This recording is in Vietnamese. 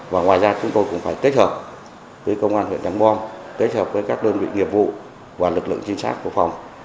và ngoài ra chúng tôi cũng phải kết hợp với công an huyện trắng bom kết hợp với các đơn vị nghiệp vụ và lực lượng trinh sát của phòng